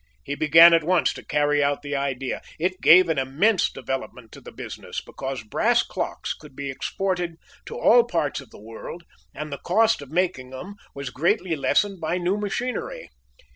He began at once to carry out the idea. It gave an immense development to the business, because brass clocks could be exported to all parts of the world, and the cost of making them was greatly lessened by new machinery.